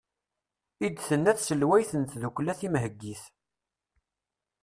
i d-tenna tselwayt n tddukkla timheggit